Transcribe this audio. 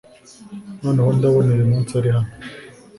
noneho ndabona uyumunsi ari hano